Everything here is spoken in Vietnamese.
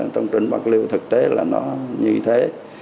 trong tỉnh bạc liêu thực tế là nó như thế